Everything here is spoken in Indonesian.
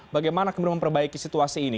bagaimana kemudian memperbaiki situasi ini